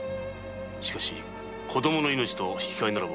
しかし子供の命と引き替えなら。